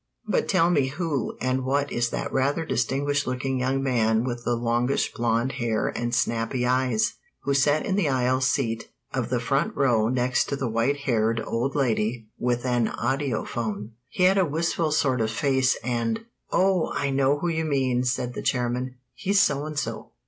"But tell me who and what is that rather distinguished looking young man with the longish blond hair and snappy eyes, who sat in the aisle seat of the front row next to the white haired old lady with an audiphone? He had a wistful sort of face, and " "Oh, I know who you mean," said the chairman. "He's So and So.